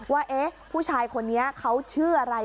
ว่าเอ๊ะผู้ชายคนนี้เขาชื่ออะไร